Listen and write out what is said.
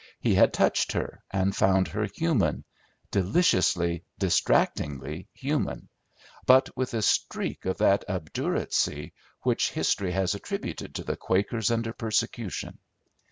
He had touched her and found her human, deliciously, distractingly human, but with a streak of that obduracy which history has attributed to the Quakers under persecution.